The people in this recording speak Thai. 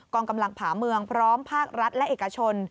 องกำลังผาเมืองพร้อมภาครัฐและเอกชน